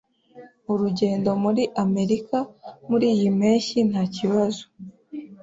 Urugendo muri Amerika muriyi mpeshyi ntakibazo.